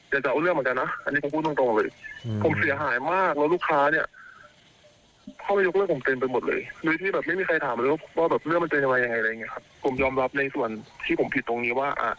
ถูกต้องไหมครับแล้วทีนี้